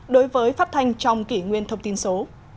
đối với phát thanh trong kỷ nguyên thông tin số